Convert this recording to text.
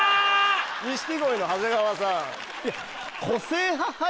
錦鯉の長谷川さん。